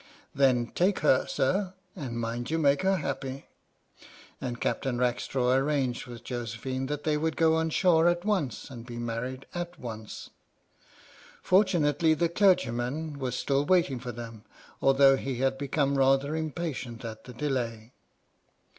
" Then take her, sir, and mind you make her happy." And Captain Rackstraw arranged with Josephine that they would go on shore at once and be married at once. Fortunately the clergyman was still waiting for them, although he had become rather impatient at the delay.